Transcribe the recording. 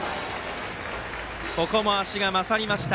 ここも足が勝りました。